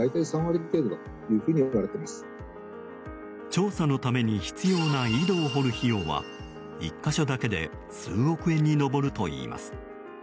調査のために必要な井戸を掘る費用は１か所だけで数億円に上るといいます。